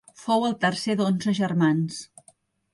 Fou el tercer d’onze germans.